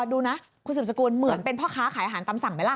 ดูนะคุณสืบสกุลเหมือนเป็นพ่อค้าขายอาหารตำสั่งไหมล่ะ